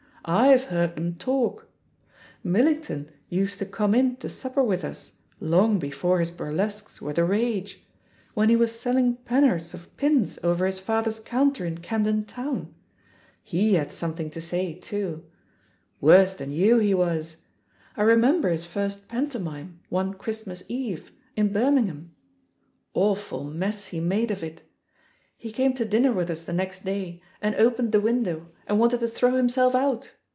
Fve heard 'em talk I Millington used to come in to supper with us, long before his burlesques were the rage — ^when he was selling pen'orths of pins over his father's counter in Camden Town. He had something to 106 THE POSITION OF PEGGY HAKPER say, too. Worse than you, he was. I remember his first pantomime, one Christmas Eve, in Bir mingham — ^awful mess he made of it! He came to dinner with us the next day and opened the window and wanted to throw himself out.